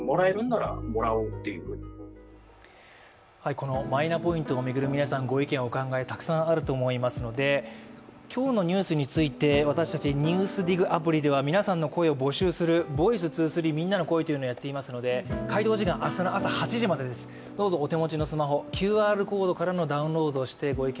このマイナポイントを巡るご意見、お考え、皆さんたくさんあると思いますので、今日のニュースについて私たちＮＥＷＳＤＩＧアプリでは、皆さんの声を募集する「ｖｏｉｃｅ２３みんなの声」というのをやっていますので回答時間、明日の朝８時までです、どうぞ、お手持ちのスマホ、ＱＲコードからのダウンロードをしてご意見